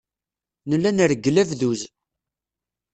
Nella nreggel abduz.